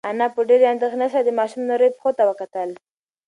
انا په ډېرې اندېښنې سره د ماشوم نریو پښو ته وکتل.